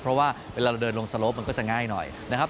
เพราะว่าเวลาเราเดินลงสโลปมันก็จะง่ายหน่อยนะครับ